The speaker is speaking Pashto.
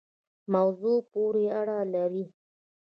موضوع پوری اړه لری